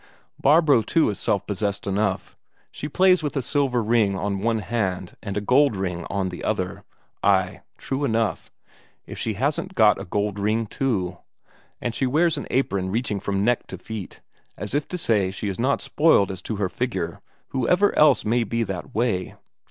Barbro too is self possessed enough; she plays with a silver ring on one hand and a gold ring on the other ay, true enough, if she hasn't got a gold ring too and she wears an apron reaching from neck to feet, as if to say she is not spoiled as to her figure, whoever else may be that way.